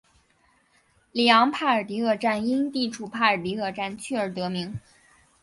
里昂帕尔迪厄站因地处帕尔迪厄街区而得名。